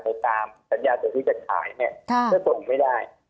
ในตามสัญญาตัวที่กัดขายเนี่ยก็ส่งไม่ได้